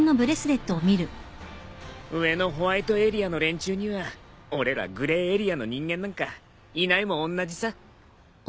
上のホワイトエリアの連中には俺らグレーエリアの人間なんかいないもおんなじさ。